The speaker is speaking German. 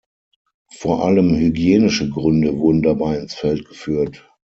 Vor allem hygienische Gründe wurden dabei ins Feld geführt.